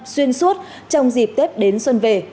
xuyên suốt trong dịp tết đến xuân về